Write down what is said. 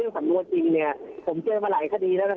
ผมเจอมาหลายคณีด